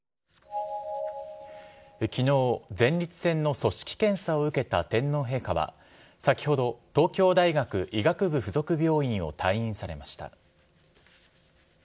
きのう、前立腺の組織検査を受けた天皇陛下は、先ほど東京大学医学部附属病院を退院されました。